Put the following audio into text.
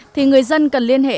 thì người dân cần liên hệ